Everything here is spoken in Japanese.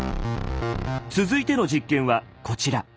続いての実験はこちら。